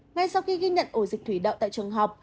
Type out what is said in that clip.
ngay sau khi ghi nhận ổ dịch thủy đậu tại trường học